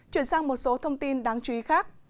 chuyển sang một số thông tin đáng chú ý khác